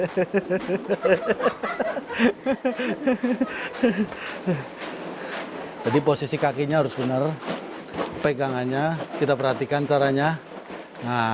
hai jadi posisi kakinya harus benar pegangannya kita perhatikan caranya nah